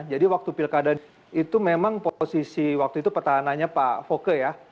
jadi waktu pilkada itu memang posisi waktu itu petahanannya pak fokke ya